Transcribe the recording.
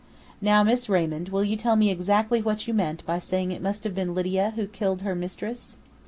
Now, Miss Raymond, will you tell me exactly what you meant by saying it must have been Lydia who killed her mistress?"